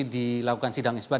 dilakukan sidang ispat